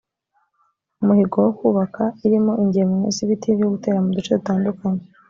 umuhigo wo kubaka irimo ingemwe z ibiti byo gutera mu duce dutandukanye